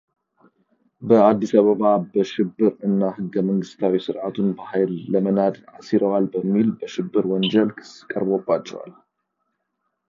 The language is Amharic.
በአዲስ አበባ በሽብር እና ሕገ መንግሥታዊ ሥርዓቱን በኃይል ለመናድ አሲረዋል በሚል በሽብር ወንጀል ክስ ቀርቦባቸዋል።